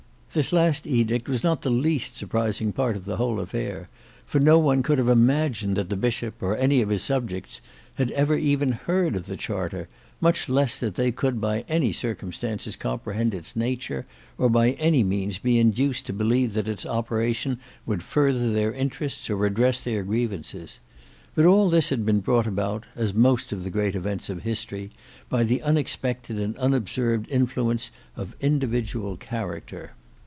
This last edict was not the least surprising part of the whole affair; for no one could have imagined that the Bishop or any of his subjects had ever even heard of the Charter, much less that they could by any circumstances comprehend its nature, or by any means be induced to believe that its operation would further their interests or redress their grievances. But all this had been brought about, as most of the great events of history, by the unexpected and unobserved influence of individual character.